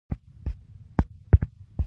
د سکواټورانو لپاره یې پراخې ځمکې وموندلې.